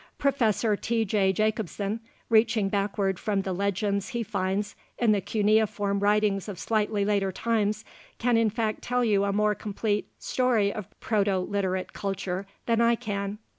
Professor T. J. Jacobsen, reaching backward from the legends he finds in the cuneiform writings of slightly later times, can in fact tell you a more complete story of Proto Literate culture than I can.